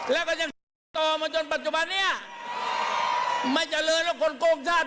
แล้วก็ยังต่อมาจนปัจจุบันเนี้ยไม่เจริญว่าคนโกงชาติ